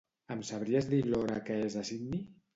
Em sabries dir l'hora que és a Sydney?